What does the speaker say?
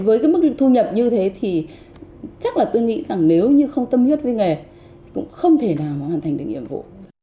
với cái mức thu nhập như thế thì chắc là tôi nghĩ rằng nếu như không tâm huyết với nghề cũng không thể nào hoàn thành được nhiệm vụ